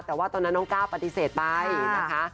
แต่ว่าตอนนั้นน้องก้าวปฏิเสธไปนะคะ